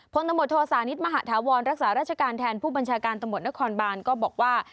พตศนิทมหาธวรรณรักษาราชการแทนผู้บัญชาการตนครบาลก็บอกว่า